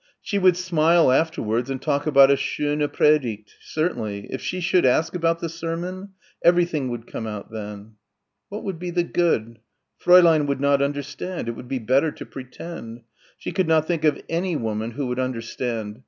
She would smile afterwards and talk about a "schöne Predigt" certainly.... If she should ask about the sermon? Everything would come out then. What would be the good? Fräulein would not understand. It would be better to pretend. She could not think of any woman who would understand.